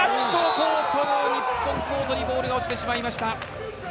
コート、日本コートにボールが落ちてしまいました。